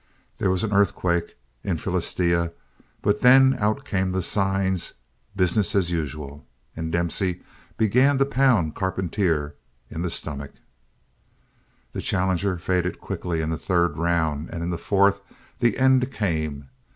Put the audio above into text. There was an earthquake in Philistia but then out came the signs "Business as usual!" and Dempsey began to pound Carpentier in the stomach. The challenger faded quickly in the third round, and in the fourth the end came.